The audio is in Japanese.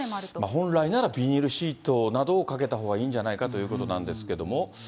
本来ならビニールシートなどをかけたほうがいいんじゃないかということなんですけれども。